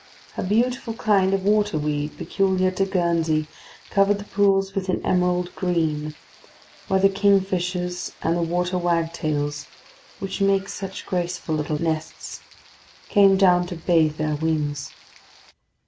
A beautiful kind of water weed peculiar to Guernsey covered the pools with an emerald green; where the kingfishers and the water wagtails, which make such graceful little nests, came down to bathe their wings.